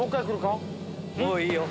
もういいよ。